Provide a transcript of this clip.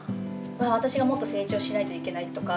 私がもっと成長しないといけないとか。